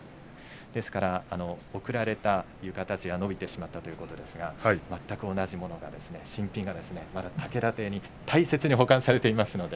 ですから贈られた浴衣地が伸びてしまったということですが全く同じものが、新品がまだ竹田邸に大切に保管されていますので。